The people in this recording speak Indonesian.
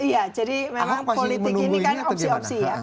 iya jadi memang politik ini kan opsi opsi ya